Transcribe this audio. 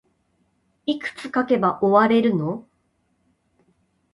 いくつ書けば終われるの